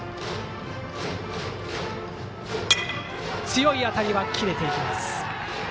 強い当たり、切れていきました。